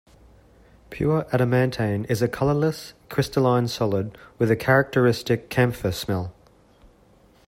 Pure adamantane is a colorless, crystalline solid with a characteristic camphor smell.